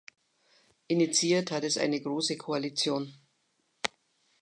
Initiiert hat es eine große Koalition.